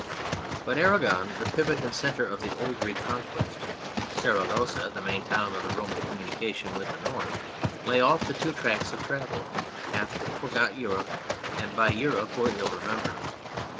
But Aragon, the pivot and centre of the old Reconquest, Saragossa, the main town of the Roman communica tion with the north , lay off the two tracks of travel, half forgot Europe and by Europe were ill remem bered.